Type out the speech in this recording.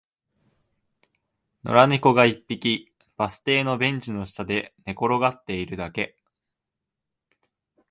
野良猫が一匹、バス停のベンチの下で寝転がっているだけ